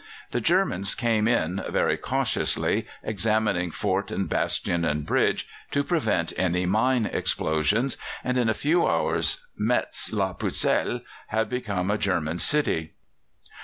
The Germans came in very cautiously, examining fort and bastion and bridge, to prevent any mine explosions, and in a few hours "Metz la Pucelle" had become a German city.